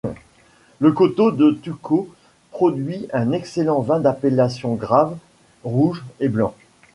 Le coteau du Tucau produit un excellent vin d’appellation Graves, rouge et blanc.